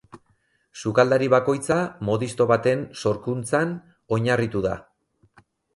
Sukaldari bakoitza modisto baten sorkuntzan oinarritu da.